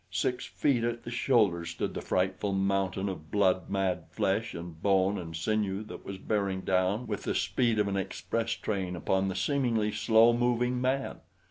Six feet at the shoulder stood the frightful mountain of blood mad flesh and bone and sinew that was bearing down with the speed of an express train upon the seemingly slow moving man.